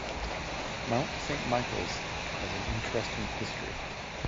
Mount Saint Michael's has an interesting history.